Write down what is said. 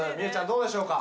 どうでしょうか？